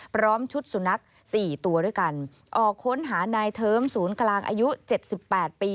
พร้อมชุดสุนัข๔ตัวด้วยกันออกค้นหานายเทิมศูนย์กลางอายุ๗๘ปี